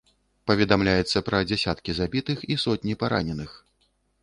Паведамляецца пра дзясяткі забітых і сотні параненых.